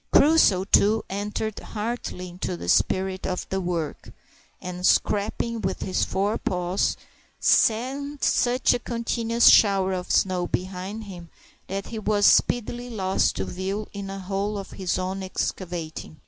Crusoe, too, entered heartily into the spirit of the work, and, scraping with his forepaws, sent such a continuous shower of snow behind him that he was speedily lost to view in a hole of his own excavating.